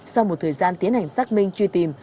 sau một thời gian tiến hành xác minh truy tìm